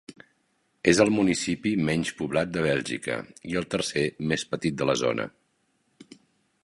És el municipi menys poblat de Bèlgica i el tercer més petit de la zona.